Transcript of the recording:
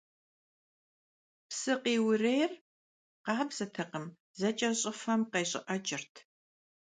Psı khiurêyr khabzetekhım zeç'e, ş'ıfem khêş'ı'eç'ırt.